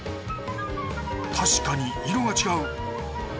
確かに色が違う。